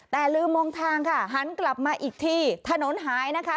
แต่ลืมมองทางค่ะหันกลับมาอีกทีถนนหายนะคะ